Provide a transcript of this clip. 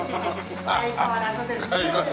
相変わらずですねえ。